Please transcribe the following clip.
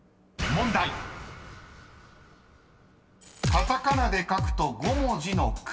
［カタカナで書くと５文字の国］